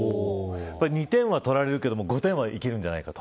２点は取られるけど５点はいけるんじゃないかと。